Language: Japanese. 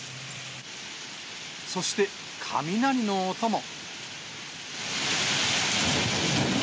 そして、雷の音も。